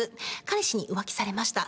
「彼氏に浮気されました。